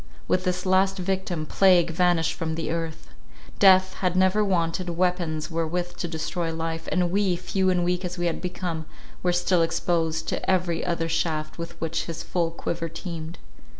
With this last victim Plague vanished from the earth. Death had never wanted weapons wherewith to destroy life, and we, few and weak as we had become, were still exposed to every other shaft with which his full quiver teemed.